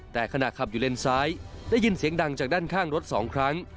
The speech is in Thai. แต่ขณะขับอยู่เลนซ้ายได้ยินเสียงดังจากด้านข้างรถ๒ครั้ง